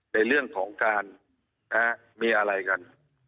ในเรื่องของการมีอะไรกัน